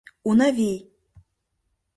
Унавий!